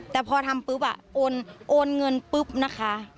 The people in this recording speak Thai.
แต่พอทำปุ๊บโอนเงินปุ๊บนะคะ